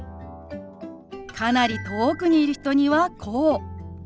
かなり遠くにいる人にはこう。